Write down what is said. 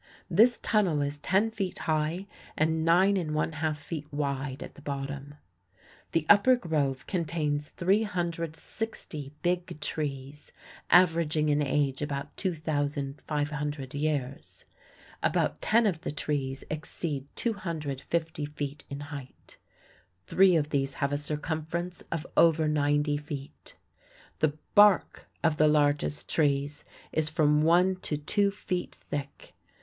This tunnel is ten feet high and nine and one half feet wide at the bottom. The Upper Grove contains 360 Big Trees, averaging in age about 2,500 years. About ten of the trees exceed 250 feet in height. Three of these have a circumference of over ninety feet. The bark of the largest trees is from one to two feet thick.